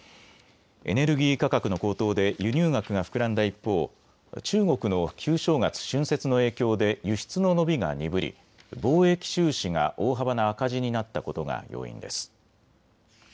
エネルギー価格の高騰で輸入額が膨らんだ一方、中国の旧正月、春節の影響で輸出の伸びが鈍り貿易収支が大幅な赤字になったことが要因です。